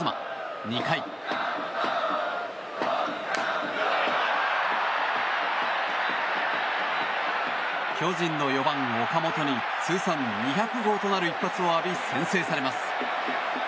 ２回、巨人の４番、岡本に通算２００号となる一発を浴び先制されます。